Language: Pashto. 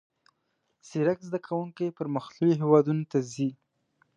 زیرک زده کوونکي پرمختللیو هیوادونو ته ځي.